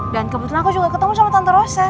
dan kebetulan aku juga ketemu sama tante rosa